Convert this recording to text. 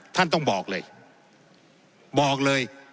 ท่านต้องบอกเลยบอกเลย